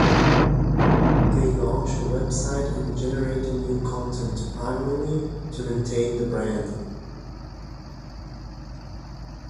They launched a website and generated new content, primarily to maintain the brand.